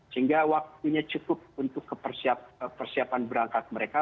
sehingga waktunya cukup untuk persiapan berangkat mereka